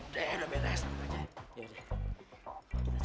tapi tuhan tau